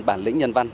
bản lĩnh nhân văn